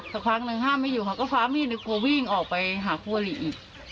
สักพักหนึ่งห้ามไม่อยู่เขาก็ฟ้ามีดหรือกลัววิ่งออกไปหาครัวอีกอีก